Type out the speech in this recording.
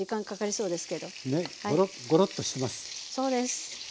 そうです。